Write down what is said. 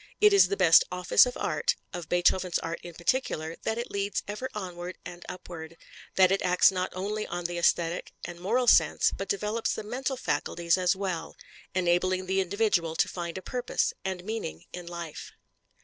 It is the best office of art, of Beethoven's art in particular, that it leads ever onward and upward; that it acts not only on the esthetic and moral sense, but develops the mental faculties as well, enabling the individual to find a purpose and meaning in life.